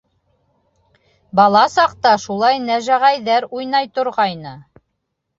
Бала саҡта шулай нәжәғәйҙәр уйнай торғайны.